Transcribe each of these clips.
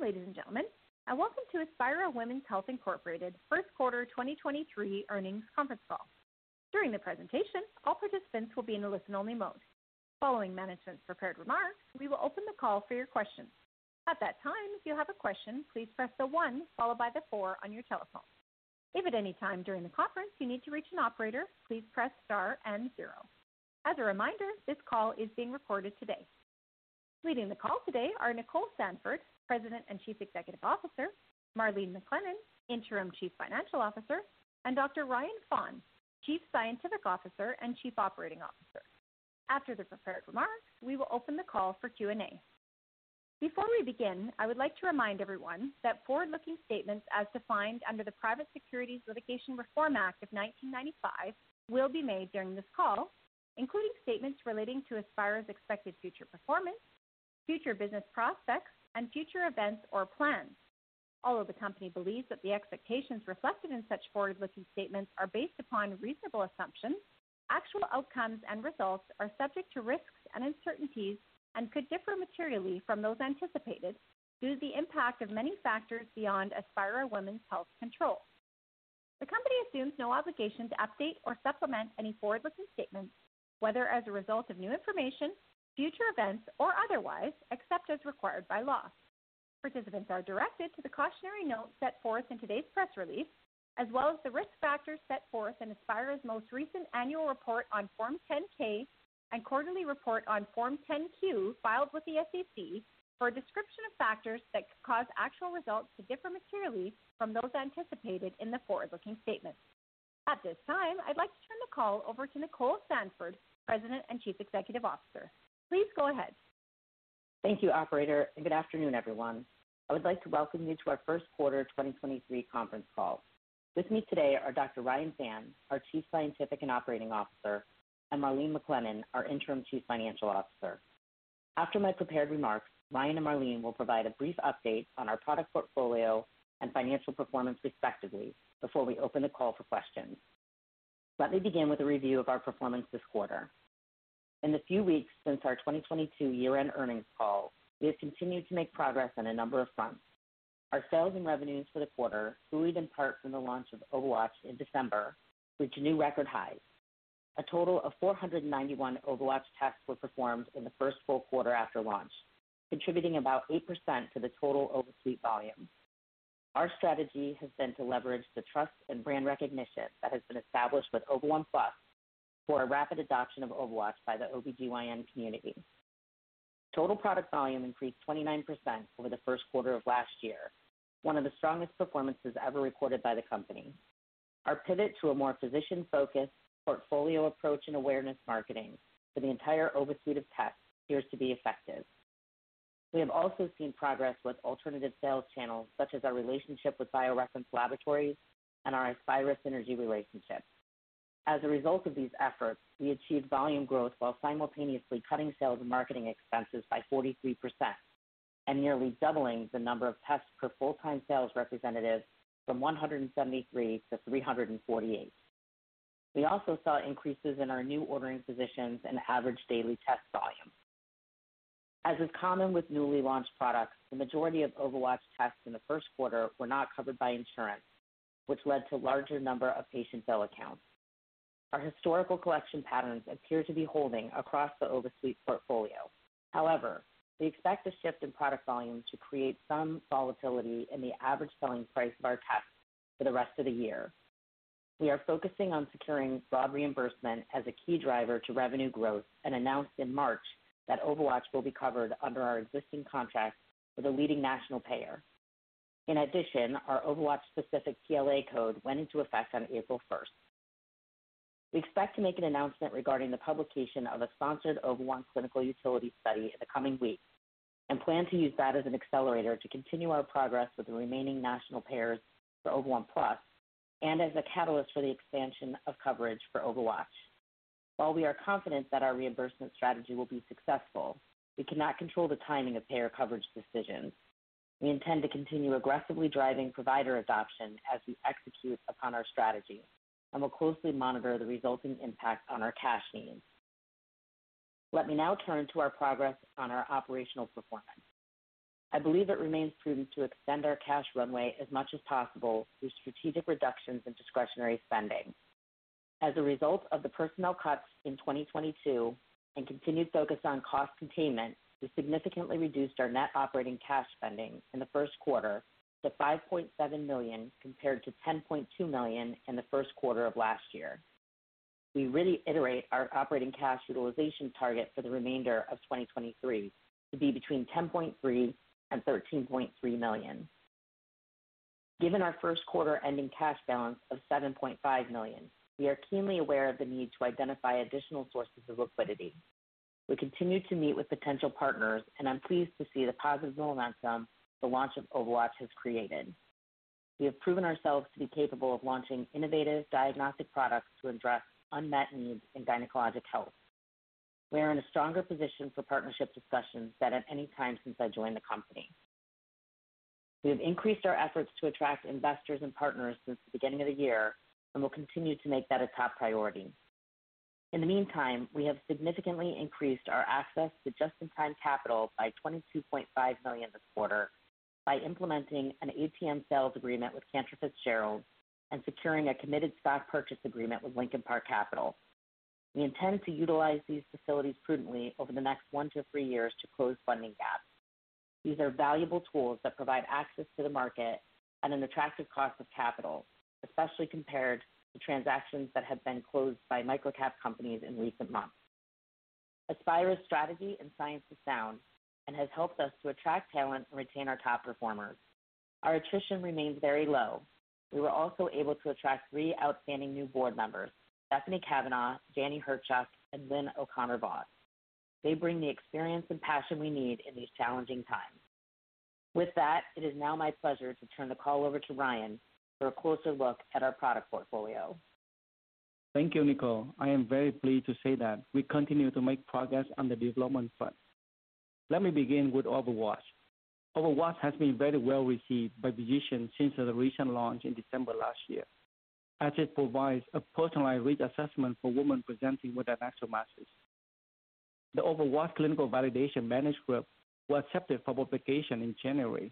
Good afternoon, ladies and gentlemen. Welcome to Aspira Women's Health Inc. First Quarter 2023 earnings conference call. During the presentation, all participants will be in a listen-only mode. Following management's prepared remarks, we will open the call for your questions. At that time, if you have a question, please press the one followed by the four on your telephone. If at any time during the conference you need to reach an operator, please press star and zero. As a reminder, this call is being recorded today. Leading the call today are Nicole Sandford, President and Chief Executive Officer, Marlene McLennan, Interim Chief Financial Officer, and Dr. Ryan Phan, Chief Scientific Officer and Chief Operating Officer. After the prepared remarks, we will open the call for Q&A. Before we begin, I would like to remind everyone that forward-looking statements as defined under the Private Securities Litigation Reform Act of 1995 will be made during this call, including statements relating to Aspira's expected future performance, future business prospects, and future events or plans. Although the Company believes that the expectations reflected in such forward-looking statements are based upon reasonable assumptions, actual outcomes and results are subject to risks and uncertainties and could differ materially from those anticipated due to the impact of many factors beyond Aspira Women's Health's control. The Company assumes no obligation to update or supplement any forward-looking statements, whether as a result of new information, future events, or otherwise, except as required by law. Participants are directed to the cautionary note set forth in today's press release, as well as the risk factors set forth in Aspira's most recent annual report on Form 10-K and quarterly report on Form 10-Q filed with the SEC for a description of factors that could cause actual results to differ materially from those anticipated in the forward-looking statements. At this time, I'd like to turn the call over to Nicole Sandford, President and Chief Executive Officer. Please go ahead. Thank you, operator. Good afternoon, everyone. I would like to welcome you to our first quarter 2023 conference call. With me today are Dr. Ryan Phan, our Chief Scientific and Operating Officer, and Marlene McLennan, our Interim Chief Financial Officer. After my prepared remarks, Ryan and Marlene will provide a brief update on our product portfolio and financial performance respectively before we open the call for questions. Let me begin with a review of our performance this quarter. In the few weeks since our 2022 year-end earnings call, we have continued to make progress on a number of fronts. Our sales and revenues for the quarter, buoyed in part from the launch of OvaWatch in December, reached new record highs. A total of 491 OvaWatch tests were performed in the first full quarter after launch, contributing about 8% to the total OvaSuite volume. Our strategy has been to leverage the trust and brand recognition that has been established with Ova1Plus for a rapid adoption of OvaWatch by the OBGYN community. Total product volume increased 29% over the first quarter of last year, one of the strongest performances ever recorded by the company. Our pivot to a more physician-focused portfolio approach and awareness marketing for the entire OvaSuite of tests appears to be effective. We have also seen progress with alternative sales channels such as our relationship with BioReference Laboratories and our Aspira Synergy relationship. As a result of these efforts, we achieved volume growth while simultaneously cutting sales and marketing expenses by 43% and nearly doubling the number of tests per full-time sales representative from 173-348. We also saw increases in our new ordering physicians and average daily test volume. As is common with newly launched products, the majority of OvaWatch tests in the first quarter were not covered by insurance, which led to larger number of patient bill accounts. Our historical collection patterns appear to be holding across the OvaSuite portfolio. We expect the shift in product volume to create some volatility in the average selling price of our tests for the rest of the year. We are focusing on securing broad reimbursement as a key driver to revenue growth and announced in March that OvaWatch will be covered under our existing contracts with a leading national payer. Our OvaWatch specific PLA code went into effect on April 1st. We expect to make an announcement regarding the publication of a sponsored Ova1 clinical utility study in the coming weeks and plan to use that as an accelerator to continue our progress with the remaining national payers for Ova1Plus and as a catalyst for the expansion of coverage for OvaWatch. We are confident that our reimbursement strategy will be successful, we cannot control the timing of payer coverage decisions. We intend to continue aggressively driving provider adoption as we execute upon our strategy and will closely monitor the resulting impact on our cash needs. Let me now turn to our progress on our operational performance. I believe it remains prudent to extend our cash runway as much as possible through strategic reductions in discretionary spending. As a result of the personnel cuts in 2022 and continued focus on cost containment, we significantly reduced our net operating cash spending in the first quarter to $5.7 million compared to $10.2 million in the first quarter of last year. We reiterate our operating cash utilization target for the remainder of 2023 to be between $10.3 million and $13.3 million. Given our first quarter ending cash balance of $7.5 million, we are keenly aware of the need to identify additional sources of liquidity. We continue to meet with potential partners, and I'm pleased to see the positive momentum the launch of OvaWatch has created. We have proven ourselves to be capable of launching innovative diagnostic products to address unmet needs in gynecologic health. We are in a stronger position for partnership discussions than at any time since I joined the company. We have increased our efforts to attract investors and partners since the beginning of the year and will continue to make that a top priority. In the meantime, we have significantly increased our access to just-in-time capital by $22.5 million this quarter by implementing an ATM sales agreement with Cantor Fitzgerald and securing a committed stock purchase agreement with Lincoln Park Capital. We intend to utilize these facilities prudently over the next one to three years to close funding gaps. These are valuable tools that provide access to the market at an attractive cost of capital, especially compared to transactions that have been closed by microcap companies in recent months. Aspira's strategy and science is sound and has helped us to attract talent and retain our top performers. Our attrition remains very low. We were also able to attract three outstanding new board members, Stefanie Cavanaugh, Jannie Herchuck, and Lynn O'Connor Vos. They bring the experience and passion we need in these challenging times. With that, it is now my pleasure to turn the call over to Ryan for a closer look at our product portfolio. Thank you, Nicole. I am very pleased to say that we continue to make progress on the development front. Let me begin with OvaWatch. OvaWatch has been very well received by physicians since the recent launch in December last year, as it provides a personalized risk assessment for women presenting with an adnexal masses. The OvaWatch clinical validation manuscript was accepted for publication in January.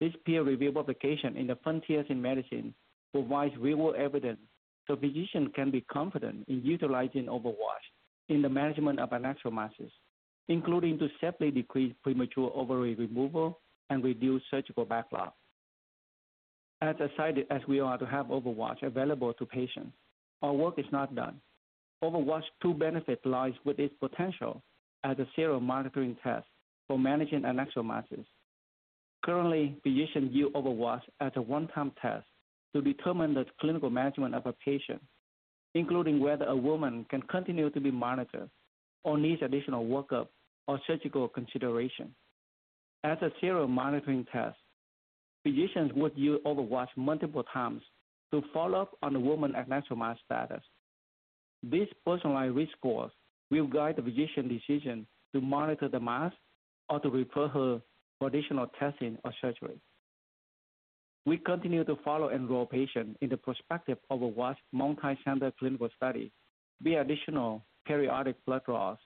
This peer-reviewed publication in the Frontiers in Medicine provides real-world evidence so physicians can be confident in utilizing OvaWatch in the management of adnexal masses, including to safely decrease premature ovary removal and reduce surgical backlogs. As excited as we are to have OvaWatch available to patients, our work is not done. OvaWatch's true benefit lies with its potential as a serial monitoring test for managing an adnexal masses. Currently, physicians use OvaWatch as a one-time test to determine the clinical management of a patient, including whether a woman can continue to be monitored or needs additional workup or surgical consideration. As a serial monitoring test, physicians would use OvaWatch multiple times to follow up on the woman's actual mass status. This personalized risk score will guide the physician's decision to monitor the mass or to refer her for additional testing or surgery. We continue to follow enrolled patients in the prospective OvaWatch multicenter clinical study via additional periodic blood draws.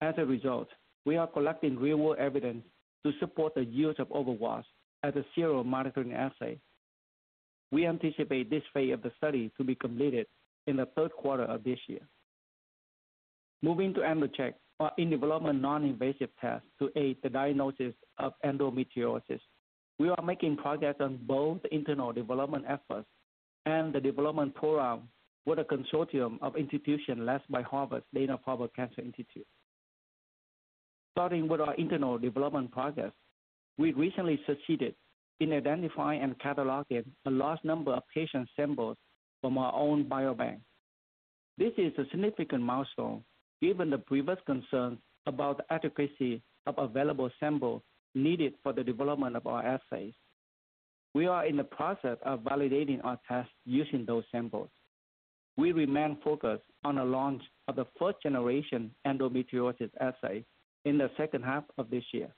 As a result, we are collecting real-world evidence to support the use of OvaWatch as a serial monitoring assay. We anticipate this phase of the study to be completed in the third quarter of this year. Moving to EndoCheck, our in development non-invasive test to aid the diagnosis of endometriosis. We are making progress on both internal development efforts and the development program with a consortium of institutions led by Harvard's Dana-Farber Cancer Institute. Starting with our internal development progress, we recently succeeded in identifying and cataloging a large number of patient samples from our own biobank. This is a significant milestone given the previous concern about the adequacy of available samples needed for the development of our assays. We are in the process of validating our tests using those samples. We remain focused on the launch of the first-generation endometriosis assay in the second half of this year.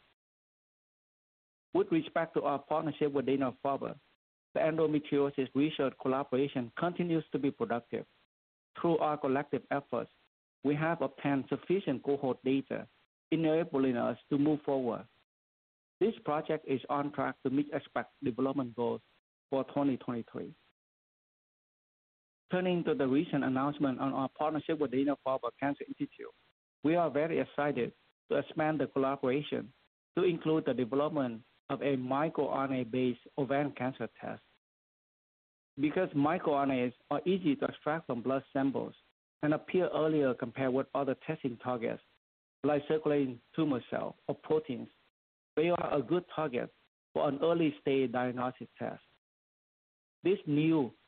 With respect to our partnership with Dana-Farber, the endometriosis research collaboration continues to be productive. Through our collective efforts, we have obtained sufficient cohort data enabling us to move forward. This project is on track to meet expected development goals for 2023. Turning to the recent announcement on our partnership with Dana-Farber Cancer Institute, we are very excited to expand the collaboration to include the development of a microRNA-based ovarian cancer test. Because microRNAs are easy to extract from blood samples and appear earlier compared with other testing targets like circulating tumor cells or proteins, they are a good target for an early-stage diagnostic test.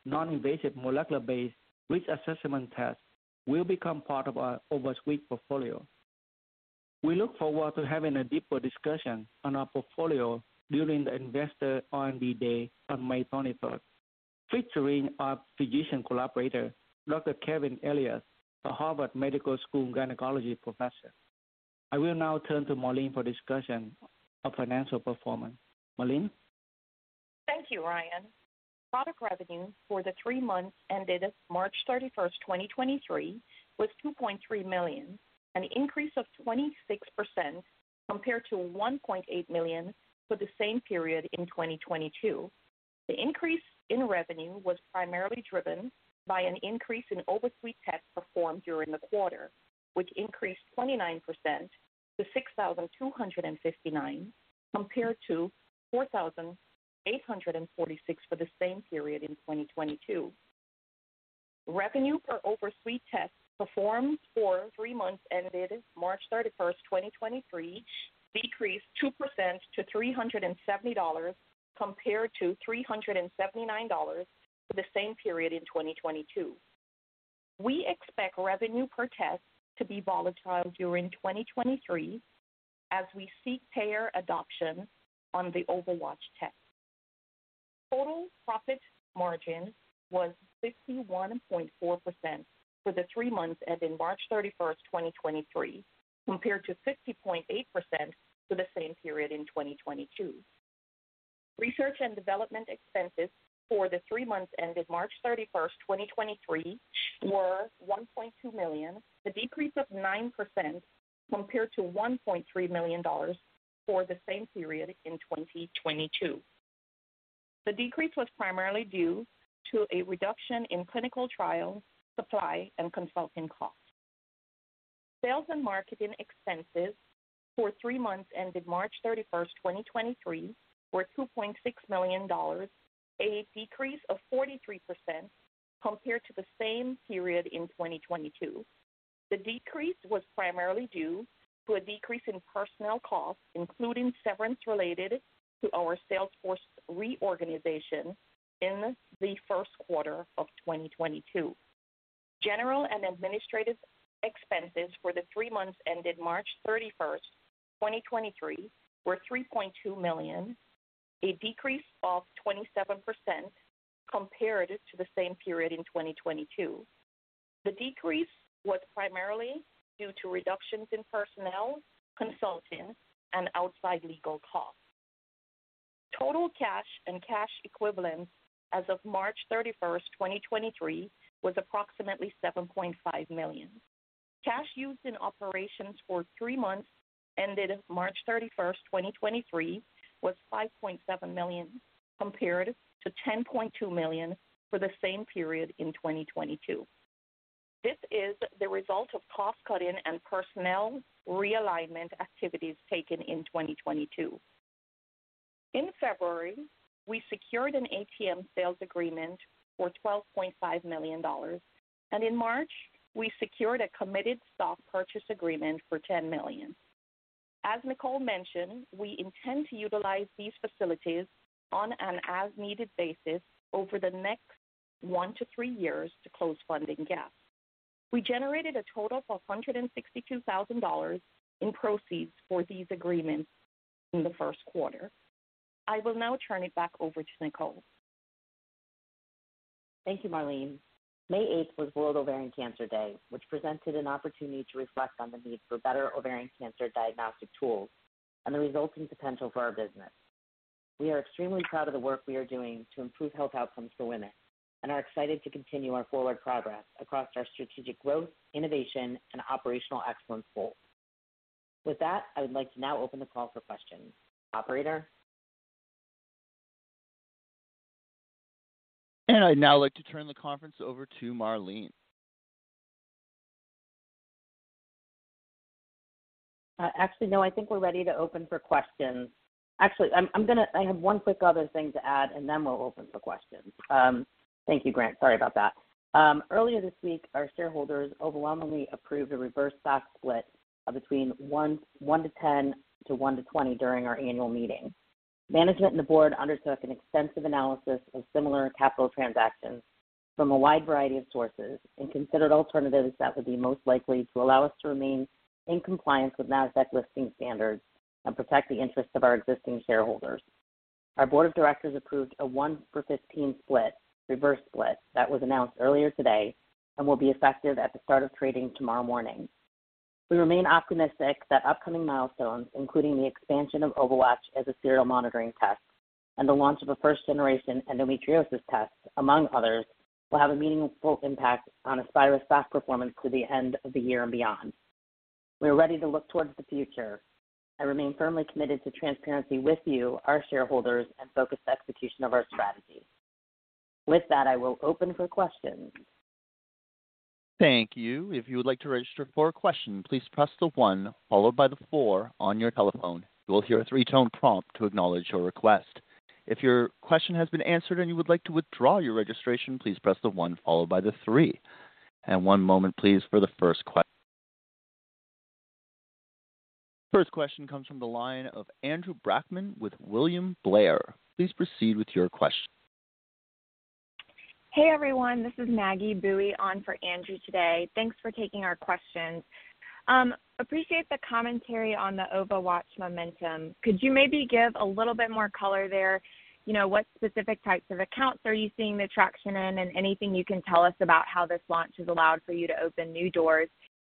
This new non-invasive molecular-based risk assessment test will become part of our OvaSuite portfolio. We look forward to having a deeper discussion on our portfolio during the Investor R&D Day on May 23rd, featuring our physician collaborator, Dr. Kevin Elias, a Harvard Medical School gynecology professor. I will now turn to Marlene for discussion of financial performance. Marlene? Thank you, Ryan. Product revenue for the three months ended March 31st, 2023 was $2.3 million, an increase of 26% compared to $1.8 million for the same period in 2022. The increase in revenue was primarily driven by an increase in OvaSuite tests performed during the quarter, which increased 29% to 6,259, compared to 4,846 for the same period in 2022. Revenue per OvaSuite tests performed for three months ended March 31st, 2023 decreased 2% to $370 compared to $379 for the same period in 2022. We expect revenue per test to be volatile during 2023 as we seek payer adoption on the OvaWatch test. Total profit margin was 61.4% for the three months ending March 31, 2023, compared to 60.8% for the same period in 2022. Research and development expenses for the three months ended March 31, 2023, were $1.2 million, a decrease of 9% compared to $1.3 million for the same period in 2022. The decrease was primarily due to a reduction in clinical trial supply and consulting costs. Sales and marketing expenses for three months ended March 31, 2023, were $2.6 million, a decrease of 43% compared to the same period in 2022. The decrease was primarily due to a decrease in personnel costs, including severance related to our sales force reorganization in the first quarter of 2022. General and administrative expenses for the three months ended March 31, 2023 were $3.2 million, a decrease of 27% compared to the same period in 2022. The decrease was primarily due to reductions in personnel, consulting, and outside legal costs. Total cash and cash equivalents as of March 31, 2023 was approximately $7.5 million. Cash used in operations for three months ended March 31, 2023 was $5.7 million, compared to $10.2 million for the same period in 2022. This is the result of cost-cutting and personnel realignment activities taken in 2022. In February, we secured an ATM sales agreement for $12.5 million, and in March we secured a committed stock purchase agreement for $10 million. As Nicole mentioned, we intend to utilize these facilities on an as-needed basis over the next one to three years to close funding gaps. We generated a total of $162,000 in proceeds for these agreements in the first quarter. I will now turn it back over to Nicole. Thank you, Marlene. May eighth was World Ovarian Cancer Day, which presented an opportunity to reflect on the need for better ovarian cancer diagnostic tools and the resulting potential for our business. We are extremely proud of the work we are doing to improve health outcomes for women and are excited to continue our forward progress across our strategic growth, innovation, and operational excellence goals. With that, I would like to now open the call for questions. Operator. I'd now like to turn the conference over to Marlene. Actually, no, I think we're ready to open for questions. Actually, I'm gonna I have one quick other thing to add. We'll open for questions. Thank you, Grant. Sorry about that. Earlier this week, our shareholders overwhelmingly approved a reverse stock split of between 1-1`0 to 1-20 during our annual meeting. Management and the board undertook an extensive analysis of similar capital transactions from a wide variety of sources and considered alternatives that would be most likely to allow us to remain in compliance with Nasdaq listing standards and protect the interests of our existing shareholders. Our board of directors approved a one for 15 split, reverse split, that was announced earlier today and will be effective at the start of trading tomorrow morning. We remain optimistic that upcoming milestones, including the expansion of OvaWatch as a serial monitoring test and the launch of a first-generation endometriosis test, among others, will have a meaningful impact on Aspira's stock performance through the end of the year and beyond. We are ready to look towards the future and remain firmly committed to transparency with you, our shareholders, and focused execution of our strategy. With that, I will open for questions. Thank you. If you would like to register for a question, please press the one followed by the four on your telephone. You will hear a three-tone prompt to acknowledge your request. If your question has been answered and you would like to withdraw your registration, please press the one followed by the three. One moment please for the first question. First question comes from the line of Andrew Brackmann with William Blair. Please proceed with your question. Hey, everyone. This is Sung Cho on for Andrew today. Thanks for taking our questions. Appreciate the commentary on the OvaWatch momentum. Could you maybe give a little bit more color there? You know, what specific types of accounts are you seeing the traction in and anything you can tell us about how this launch has allowed for you to open new doors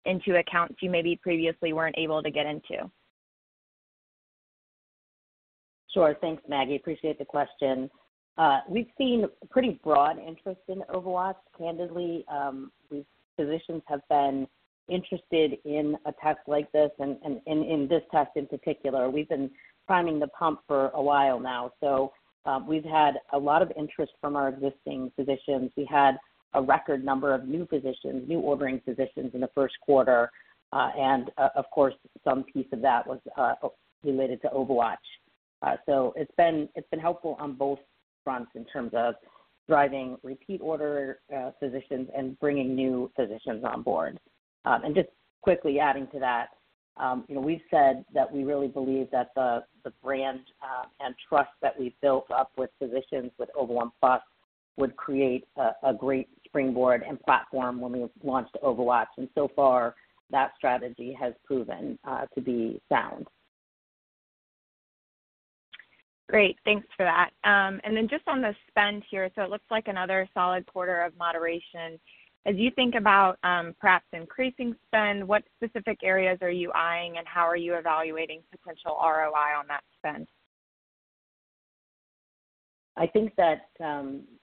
into accounts you maybe previously weren't able to get into? Sure. Thanks, Sung Cho. Appreciate the question. We've seen pretty broad interest in OvaWatch. Candidly, these physicians have been interested in a test like this and this test in particular. We've been priming the pump for a while now, so, we've had a lot of interest from our existing physicians. We had a record number of new physicians, new ordering physicians in the first quarter, and of course, some piece of that was related to OvaWatch. It's been helpful on both fronts in terms of driving repeat order physicians and bringing new physicians on board. Just quickly adding to that, you know, we've said that we really believe that the brand and trust that we've built up with physicians with Ova1Plus would create a great springboard and platform when we launched OvaWatch. So far, that strategy has proven to be sound. Great. Thanks for that. Then just on the spend here, it looks like another solid quarter of moderation. As you think about, perhaps increasing spend, what specific areas are you eyeing, and how are you evaluating potential ROI on that spend? I think that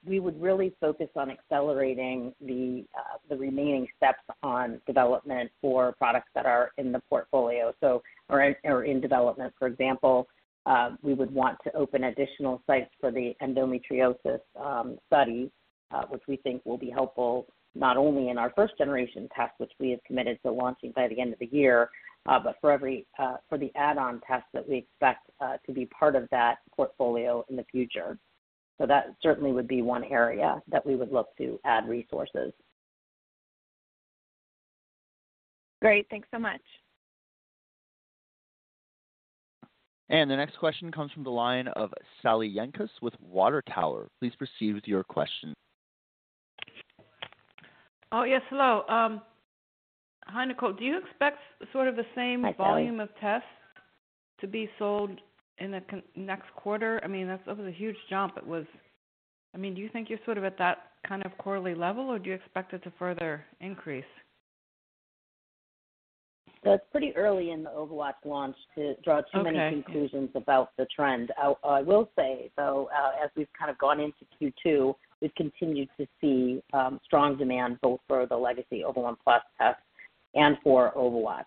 we would really focus on accelerating the remaining steps on development for products that are in the portfolio or in development, for example, we would want to open additional sites for the endometriosis study, which we think will be helpful not only in our first generation test, which we have committed to launching by the end of the year, but for every for the add-on test that we expect to be part of that portfolio in the future. That certainly would be one area that we would look to add resources. Great. Thanks so much. The next question comes from the line of Yvonne Purcell with Water Tower Research. Please proceed with your question. Oh, yes. Hello. Hi, Nicole. Do you expect sort of the same- Hi, Sally. volume of tests to be sold in the next quarter? I mean, that's obviously a huge jump. I mean, do you think you're sort of at that kind of quarterly level, or do you expect it to further increase? It's pretty early in the OvaWatch launch to draw too many- Okay. conclusions about the trend. I will say, though, as we've kind of gone into Q2, we've continued to see, strong demand both for the legacy Ova1Plus test and for OvaWatch.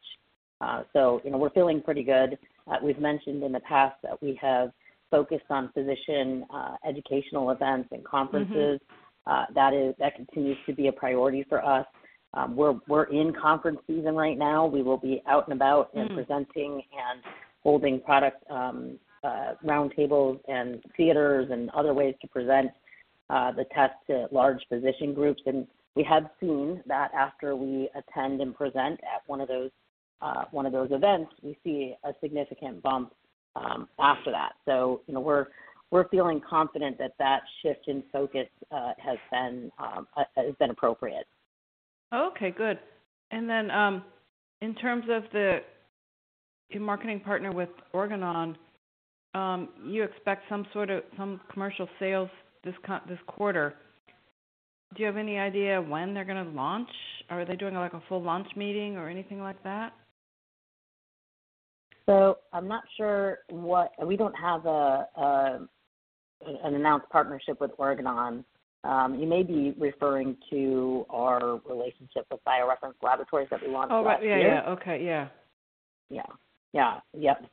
you know, we're feeling pretty good. We've mentioned in the past that we have focused on physician, educational events and conferences. Mm-hmm. That continues to be a priority for us. We're in conference season right now. We will be out and about. Mm. Presenting and holding product, roundtables and theaters and other ways to present, the test to large physician groups. We have seen that after we attend and present at one of those, one of those events, we see a significant bump, after that. You know, we're feeling confident that that shift in focus, has been appropriate. Okay, good. In terms of your marketing partner with Organon, you expect some commercial sales this quarter. Do you have any idea when they're gonna launch? Are they doing, like, a full launch meeting or anything like that? I'm not sure what. We don't have an announced partnership with Organon. You may be referring to our relationship with BioReference Laboratories that we launched last year. Oh, right. Yeah. Yeah. Okay. Yeah. Yeah. Yeah.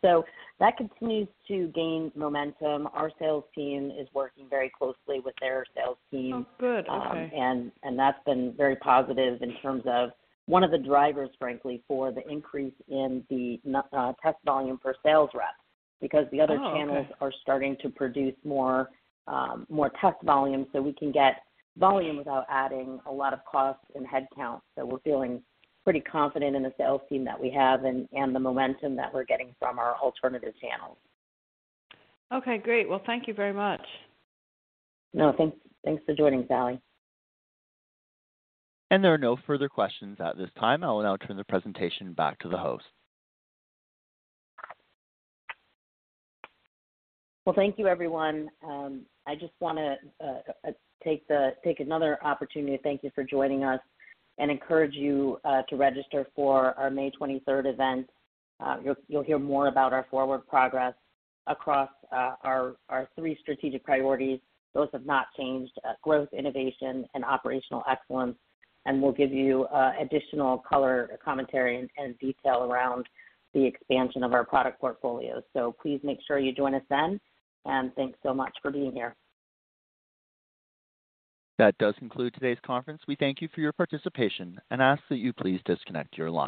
Yeah. That continues to gain momentum. Our sales team is working very closely with their sales team. Oh, good. Okay. That's been very positive in terms of one of the drivers, frankly, for the increase in the test volume for sales reps, because the other channels. Oh, okay. are starting to produce more, more test volume, so we can get volume without adding a lot of costs and headcount. We're feeling pretty confident in the sales team that we have and the momentum that we're getting from our alternative channels. Okay, great. Well, thank you very much. No, thanks for joining, Sally. There are no further questions at this time. I will now turn the presentation back to the host. Well, thank you, everyone. I just wanna take another opportunity to thank you for joining us and encourage you to register for our May 23rd event. You'll hear more about our forward progress across our three strategic priorities. Those have not changed: growth, innovation, and operational excellence. We'll give you additional color, commentary and detail around the expansion of our product portfolio. Please make sure you join us then, and thanks so much for being here. That does conclude today's conference. We thank you for your participation and ask that you please disconnect your line.